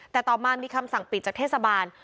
แต่ต่อมามีคำสั่งปิดจากเทศบาล